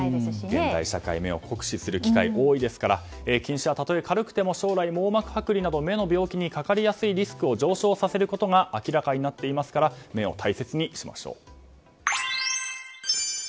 現代社会目を酷使する機会が多いですから近視はたとえ軽くても将来、網膜剥離など目の病気にかかりやすいリスクを上昇することが明らかになっていますから目を大切にしましょう。